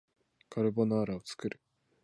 カルボナーラを作る